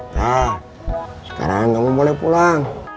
hah sekarang kamu boleh pulang